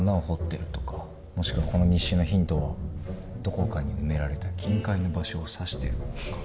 もしくはこの日誌のヒントはどこかに埋められた金塊の場所を指してるとか。